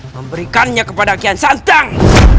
memberikannya kepada akihan santang